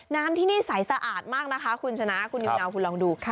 น้ำที่นี่ใสสะอาดมากนะคะคุณชนะคุณนิวนาวคุณลองดูค่ะ